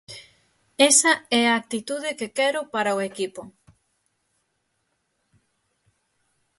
Esa é a actitude que quero para o equipo.